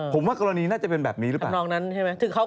ผมว่ากรณีหนาจะเป็นแบบนี้หรือเปล่า